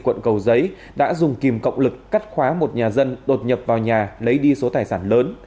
quận cầu giấy đã dùng kìm cộng lực cắt khóa một nhà dân đột nhập vào nhà lấy đi số tài sản lớn